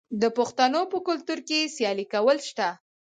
د پښتنو په کلتور کې سیالي کول شته.